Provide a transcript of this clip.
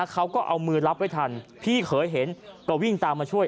เขาก็เอามือรับไว้ทันพี่เคยเห็นก็วิ่งตามมาช่วย